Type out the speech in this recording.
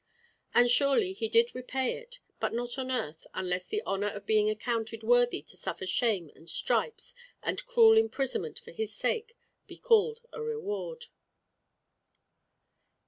And surely he did repay it; but not on earth, unless the honour of being accounted worthy to suffer shame and stripes and cruel imprisonment for his sake be called a reward.